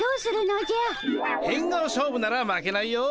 変顔勝負なら負けないよ。